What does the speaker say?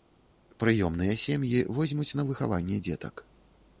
Прыёмныя сем'і возьмуць на выхаванне дзетак.